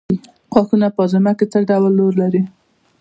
غاښونه په هاضمه کې څه رول لري